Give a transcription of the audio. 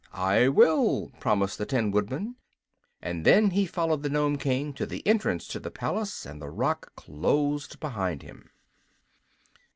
"I will," promised the Tin Woodman; and then he followed the Nome King to the entrance to the palace and the rock closed behind him.